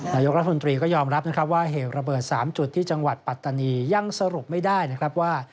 นายกรัฐมนตรีก็ยอมรับนะครับว่าเหตุระเบิด๓จุดที่จังหวัดปัตตานียังสรุปไม่ได้นะครับว่า